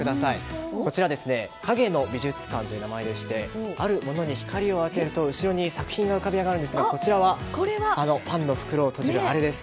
こちら、影の美術館という名前でしてあるものに光を当てると後ろに作品が浮かび上がるものでしてこちらはパンの袋を閉じるあれです。